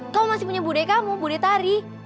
kamu masih punya budekamu budetari